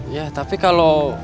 ya tapi kalau